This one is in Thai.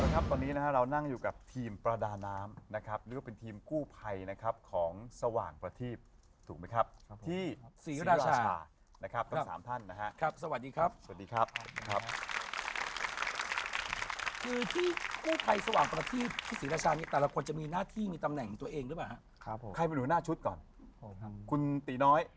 ตอนนี้นะฮะเรานั่งอยู่กับทีมประดาน้ำนะครับหรือว่าเป็นทีมกู้ภัยนะครับของสว่างประทีปถูกไหมครับที่ศรีราชานะครับทั้งสามท่านนะฮะครับสวัสดีครับสวัสดีครับครับคือที่กู้ภัยสว่างประทีปที่ศรีราชาเนี่ยแต่ละคนจะมีหน้าที่มีตำแหน่งตัวเองหรือเปล่าครับใครไม่รู้หน้าชุดก่อนคุณตีน้อยคุณตี